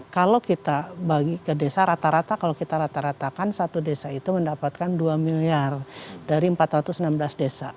kalau kita bagi ke desa rata rata kalau kita rata ratakan satu desa itu mendapatkan dua miliar dari empat ratus enam belas desa